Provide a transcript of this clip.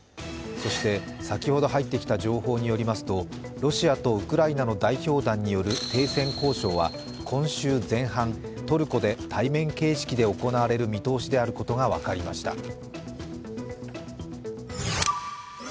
そして先ほど入ってきた情報によりますとロシアとウクライナの代表団による停戦交渉は今週前半、トルコで対面形式で行われる見通しであることが分かりました。